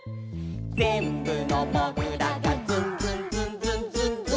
「ぜんぶのもぐらが」「ズンズンズンズンズンズン」